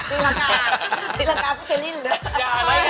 ตีรังกาก็จะลิ้นเลย